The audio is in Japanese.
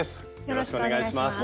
よろしくお願いします。